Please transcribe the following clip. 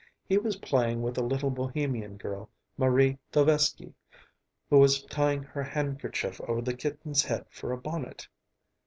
He was playing with a little Bohemian girl, Marie Tovesky, who was tying her handkerchief over the kitten's head for a bonnet.